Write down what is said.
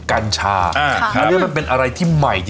มันแตกหมดเลยอะ